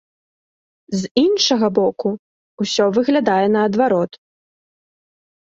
З іншага боку, усё выглядае наадварот.